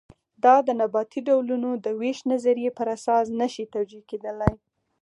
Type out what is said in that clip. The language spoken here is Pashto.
دا د نباتي ډولونو د وېش نظریې پر اساس نه شي توجیه کېدلی.